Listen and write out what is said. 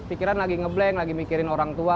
pikiran lagi ngebleng lagi mikirin orang tua